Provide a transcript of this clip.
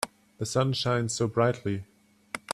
The sun shines so brightly.